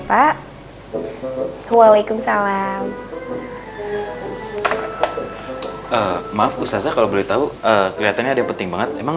pak waalaikumsalam maaf ustadz kalau boleh tahu kelihatannya ada yang penting banget emang